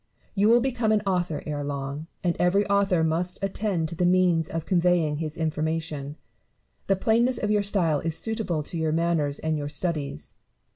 You will become an author ere long ; and every author must attend to the means of conveying his information. The plainness of your style is suitable to your manners and your studies.